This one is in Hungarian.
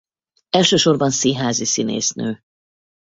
Elsősorban színházi színésznő.